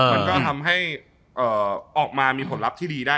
มันก็ทำให้ออกมามีผลลัพธ์ที่ดีได้